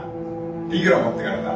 いくら持ってかれた。